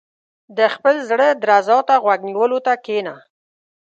• د خپل زړۀ درزا ته غوږ نیولو ته کښېنه.